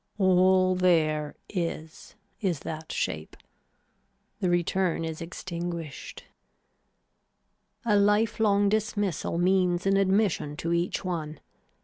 All there is is that shape. The return is extinguished. A life long dismissal means an admission to each one.